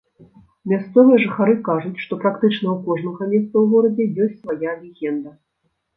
Мясцовыя жыхары кажуць, што практычна ў кожнага месца ў горадзе ёсць свая легенда.